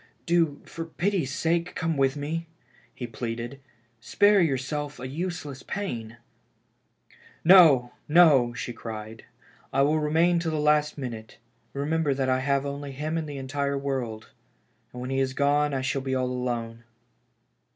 " Do, for pity's sake, come with me," he pleaded. "Spare yourself a useless pain." " No, no !" she cried, " I will remain till the last min ute. Remember that I have only him in the world, and when he is gone I shall be all alone